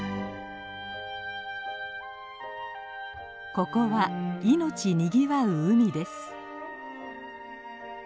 ここは命にぎわう海です。